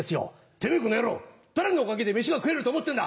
「てめぇこの野郎誰のおかげで飯が食えると思ってんだ！